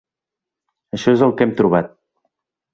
Això és el que hem trobat.